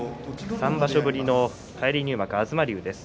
３場所ぶりの返り入幕東龍です。